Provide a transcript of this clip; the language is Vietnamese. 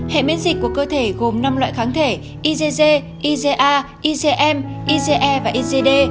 hệ miễn dịch của cơ thể gồm năm loại kháng thể igg iga igm ige và igd